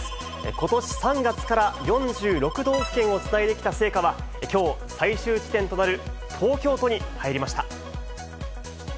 ことし３月から、４６都道府県を伝えてきた聖火は、きょう、最終地点となる東京都に入りました。